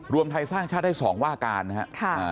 รวมไทยสร้างชาติได้๒ว่าการนะครับ